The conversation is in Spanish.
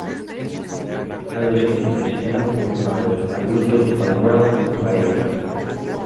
Son los que se presentan junto con los adultos y colaboran junto a ellos.